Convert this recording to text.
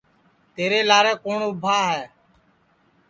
تیرے لارے کُوٹؔ اُبھا ہے